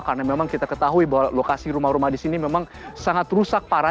karena memang kita ketahui bahwa lokasi rumah rumah disini memang sangat rusak parah